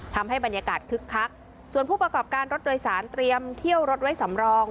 ทำให้บรรยากาศคึกคักส่วนผู้ประกอบการรถโดยสารเตรียมเที่ยวรถไว้สำรอง